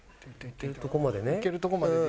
いけるとこまでね。